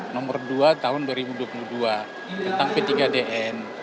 nomor dua tahun dua ribu dua puluh dua tentang p tiga dn